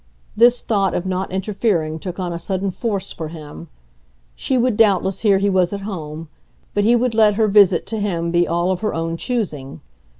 This thought of not interfering took on a sudden force for him; she would doubtless hear he was at home, but he would let her visit to him be all of her own choosing.